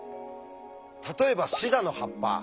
例えばシダの葉っぱ。